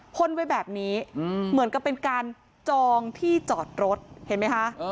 พ่นไว้แบบนี้เหมือนกับเป็นการจองที่จอดรถเห็นไหมคะ